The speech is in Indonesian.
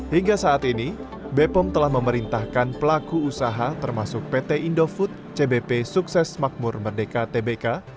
hingga saat ini bepom telah memerintahkan pelaku usaha termasuk pt indofood cbp sukses makmur merdeka tbk